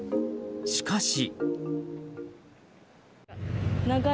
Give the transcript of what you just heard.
しかし。